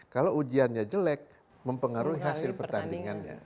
kalau ujiannya jelek mempengaruhi hasil pertandingannya